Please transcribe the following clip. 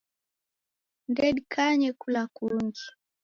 Ndedikanye kula kungi.